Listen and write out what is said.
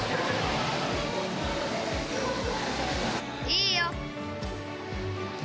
いいよ！